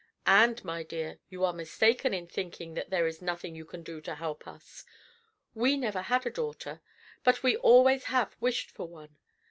And, my dear, you are mistaken in thinking that there is nothing you can do to help us. We have never had a daughter, but we always have wished for one.